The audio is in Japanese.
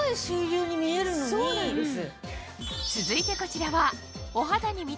そうなんです。